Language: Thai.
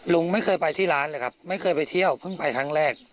ลุงไม่เคยไปที่ร้านเลยครับไม่เคยไปเที่ยวเพิ่งไปครั้งแรก